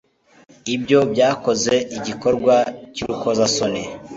Ibyo byakoze igikorwa cyurukozasoni